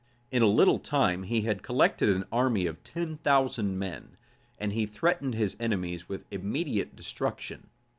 In a little time he had collected an army of ten thousand men, and he threatened his enemies with immediate destruction.